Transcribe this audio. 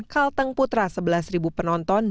kalteng putra sebelas penonton